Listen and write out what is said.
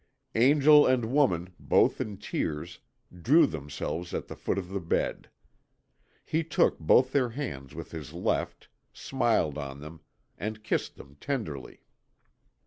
Angel and woman, both in tears, threw themselves at the foot of the bed. He took both their hands with his left, smiled on them, and kissed them tenderly.